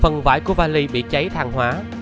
phần vải của vali bị cháy thang hóa